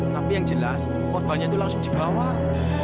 tapi yang jelas korbannya itu langsung di bawah